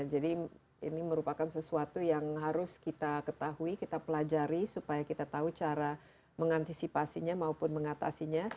jadi ini merupakan sesuatu yang harus kita ketahui kita pelajari supaya kita tahu cara mengantisipasinya maupun mengatasinya